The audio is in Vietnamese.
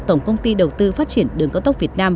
tổng công ty đầu tư phát triển đường cao tốc việt nam